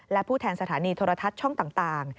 และผู้แทนสถานีโทรทัศน์ช่องต่าง